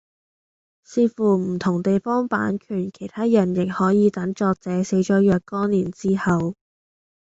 視乎唔同地方版權其他人亦可以等作者死咗若干年之後